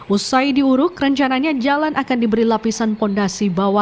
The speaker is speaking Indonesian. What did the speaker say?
usai diuruk rencananya jalan akan diberi lapisan fondasi bawah